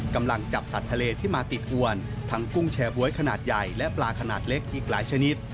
กำลังจับสัตว์ทะเลที่มาติดอวนทั้งกุ้งแชร์บ๊วยขนาดใหญ่และปลาขนาดเล็กอีกหลายชนิด